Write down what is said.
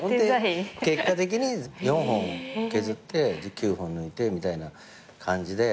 結果的に４本削って９本抜いてみたいな感じで。